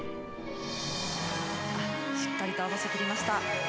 しっかりと合わせていきました。